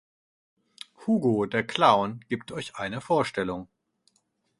Hugo der Clown gibt euch eine Vorstellung.